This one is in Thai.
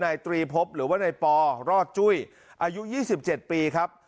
นายตรีภพหรือว่านายปอรอดจุ้ยอายุยี่สิบเจ็ดปีครับ